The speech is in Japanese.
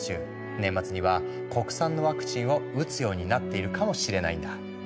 年末には国産のワクチンを打つようになっているかもしれないんだ。